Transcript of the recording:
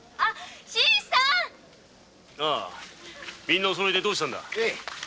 みんなお揃いでどうしたんだ。